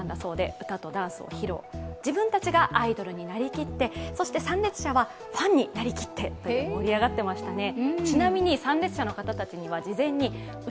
自分たちがアイドルになりきって、そして参列者はファンになりきって盛り上がっていましたね。